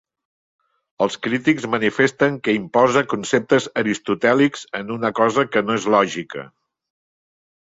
Els crítics manifesten que imposa conceptes aristotèlics en una cosa que no és lògica.